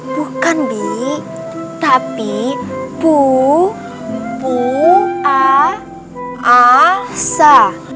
bukan di tapi pu pu a a sa